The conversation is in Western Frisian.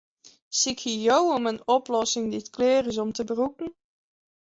Sykje jo om in oplossing dy't klear is om te brûken?